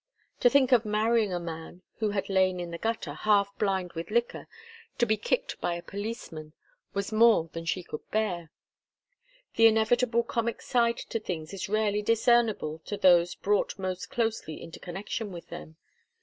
To think of marrying a man who had lain in the gutter, half blind with liquor, to be kicked by a policeman, was more than she could bear. The inevitable comic side to things is rarely discernible to those brought most closely into connection with them.